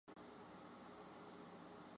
台湾西南沿海的沙岸有养殖文蛤。